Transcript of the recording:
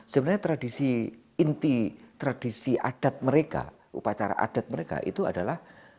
sebenarnya inti tradisi adat mereka adalah